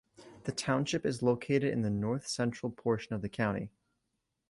The township is located in the north central portion of the county.